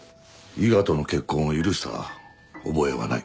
伊賀との結婚を許した覚えはない。